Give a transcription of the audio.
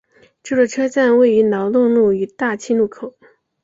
这座车站位于劳动路与大庆路口。